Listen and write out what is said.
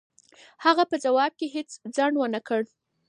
هغه په ځواب کې هېڅ ځنډ و نه کړ.